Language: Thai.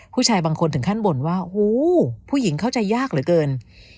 ผู้ชายบางคนถึงขั้นบ่นว่าหูผู้หญิงเข้าใจยากเหลือเกิน